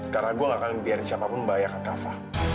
karena gue nggak akan biarin siapa pun membahayakan kafa